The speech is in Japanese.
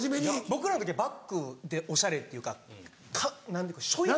僕らの時はバッグでおしゃれっていうか何ていうか背負い方。